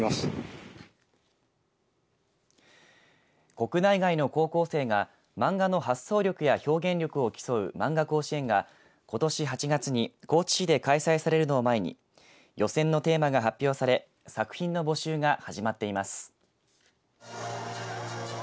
国内外の高校生が漫画の発想力や表現力を競うまんが甲子園がことし８月に高知市で開催されるのを前に予選のテーマが発表され作品の募集が始まっています。